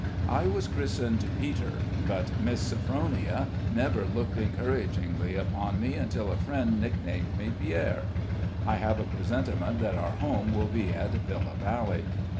(I was christened Peter, but Miss Sophronia never looked encouragingly upon me until a friend nicknamed me Pierre.) I have a presentiment that our home will be at Villa Valley.